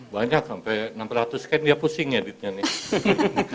banyak sampai enam ratus kan dia pusing editnya nih